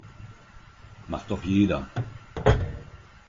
Macht doch jeder.